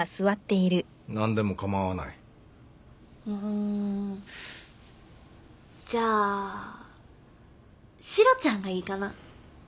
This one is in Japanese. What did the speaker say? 何でも構わない・うーんじゃあシロちゃんがいいかな